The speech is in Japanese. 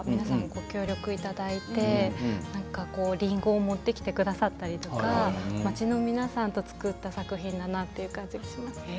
ご協力いただいてりんごを持って来てくださったりとか町の皆さんと作った作品だなという感じがしましたね。